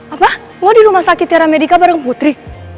apa lo di rumah sakit yara medica bareng putri